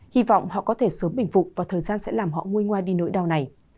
hy vọng họ có thể sớm bình phục và thời gian sẽ làm họ ngôi ngoa đi nỗi đau này